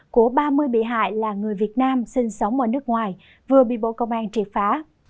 của ba mươi bị hại là người việt nam sinh sống ở nước ngoài vừa bị bộ công an triệt phá